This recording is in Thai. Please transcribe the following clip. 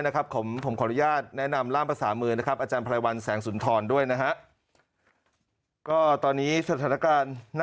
ก็ตอนนี้สถานการณ์น่าเป็นห่วงต้องที่ว้าด